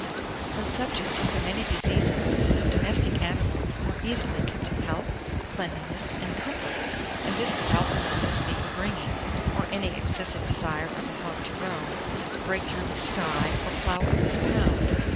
775. THOUGH SUBJECT TO SO MANY DISEASES, no domestic animal is more easily kept in health, cleanliness, and comfort, and this without the necessity of "ringing," or any excessive desire of the hog to roam, break through his sty, or plough up his pound.